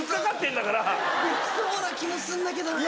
できそうな気もするんだけどな。